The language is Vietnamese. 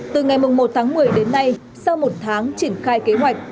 từ ngày một tháng một mươi đến nay sau một tháng triển khai kế hoạch